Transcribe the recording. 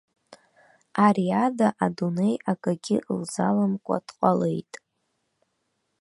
Ари ада адунеи акагьы лзаламкәа дҟалеит.